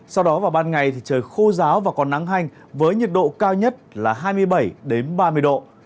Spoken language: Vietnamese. sau đó vào ban ngày thì trời khô ráo và còn nắng hành với nhiệt độ cao nhất là hai mươi bảy ba mươi độ